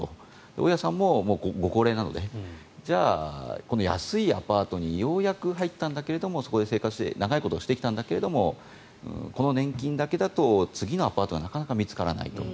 大家さんもご高齢なのでじゃあ安いアパートにようやく入ったんだけどそこで長いこと生活をしてきたんだけどこの年金だけだと次のアパートはなかなか見つからないと。